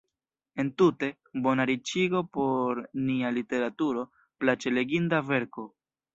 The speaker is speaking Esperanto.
Entute: bona riĉigo por nia literaturo, plaĉe leginda verko.